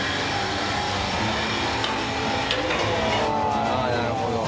ああなるほど。